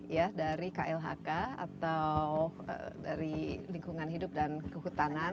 ya dari klhk atau dari lingkungan hidup dan kehutanan